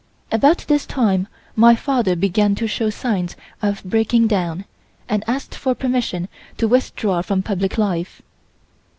About this time my father began to show signs of breaking down and asked for permission to withdraw from public life.